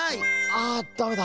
ああダメだ。